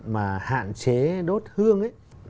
mà hạn chế đốt hương hay vàng mã